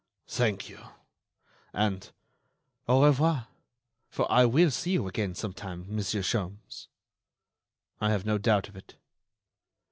"Thank you. And au revoir—for I will see you again, sometime, Monsieur Sholmes?" "I have no doubt of it."